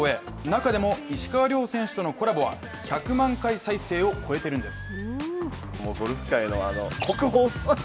中でも石川遼選手とのコラボは１００万回再生を超えてるんです。